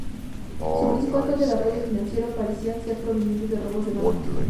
Su principal fuente de apoyo financiero parecía ser proveniente de robos de bancos.